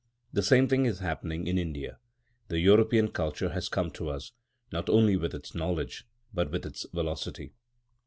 The same thing is happening in India. The European culture has come to us, not only with its knowledge, but with its velocity.